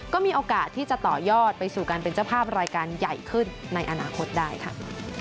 ก็มีโอกาสที่จะต่อยอดไปสู่การเป็นเจ้าภาพรายการใหญ่ขึ้นในอนาคตได้ค่ะ